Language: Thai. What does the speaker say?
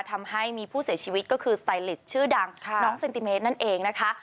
ทำให้มีผู้เสียชีวิตก็คือสไตลิสชื่อดังน้องเซนติเมตรนั่นเองนะคะ